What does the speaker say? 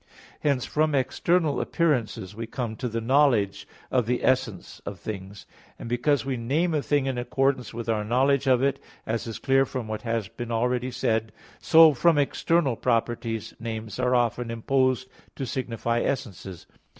Hence from external appearances we come to the knowledge of the essence of things. And because we name a thing in accordance with our knowledge of it, as is clear from what has already been said (Q. 13, A. 1), so from external properties names are often imposed to signify essences.